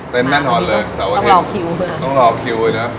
เต็มแน่นอนเลยเสาร์อาทิตย์ต้องรอคิวเมื่อต้องรอคิวเลยเนอะ